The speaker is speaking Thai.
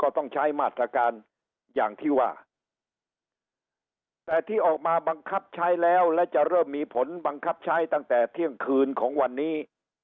แต่ที่ออกมาบังคับใช้แล้วและจะเริ่มมีผลบังคับใช้ตั้งแต่เที่ยงคืนของวันนี้